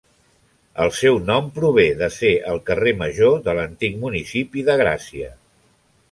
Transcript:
El seu nom prové de ser el carrer major de l'antic municipi de Gràcia.